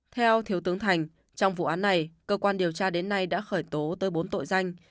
theo thiếu tướng thành trong vụ án này cơ quan điều tra đến nay đã khởi tố tới bốn tội danh